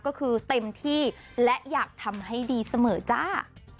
ก็คือเต็มที่และอยากทำให้ดีเสมอจ้า